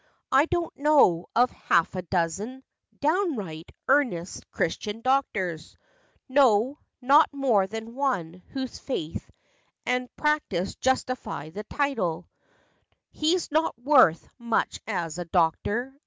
I do n't know of half a dozen Downright, earnest Christian doctors; No, not more than one, whose faith and Practice justify the title— He's not worth much as a doctor.